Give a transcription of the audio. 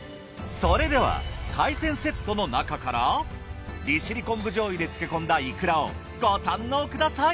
それでは海鮮セットのなかから利尻昆布醤油で漬け込んだいくらをご堪能ください。